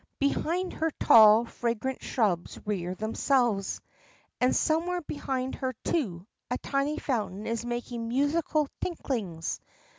Behind her tall, fragrant shrubs rear themselves, and somewhere behind her, too, a tiny fountain is making musical tinklings.